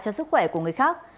cho sức khỏe của người khác